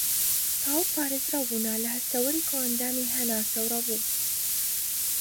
تەواو پارێزراوبوونە لە هەستەوەری کۆئەندامی هەناسە و رەبۆ